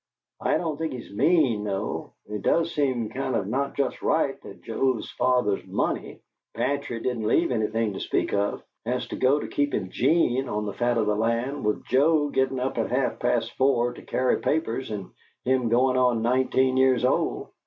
"I don't think he's mean, though, and it does seem kind of not just right that Joe's father's money Bantry didn't leave anything to speak of has to go to keepin' 'Gene on the fat of the land, with Joe gittin' up at half past four to carry papers, and him goin' on nineteen years old."